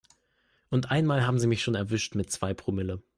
Und einmal haben sie mich schon erwischt mit zwei Promille.